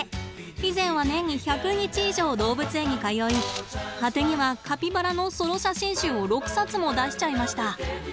以前は年に１００日以上動物園に通い果てにはカピバラのソロ写真集を６冊も出しちゃいました。